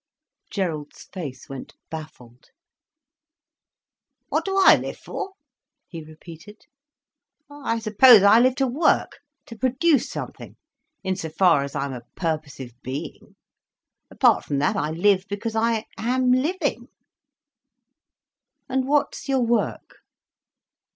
Gerald's face went baffled. "What do I live for?" he repeated. "I suppose I live to work, to produce something, in so far as I am a purposive being. Apart from that, I live because I am living." "And what's your work?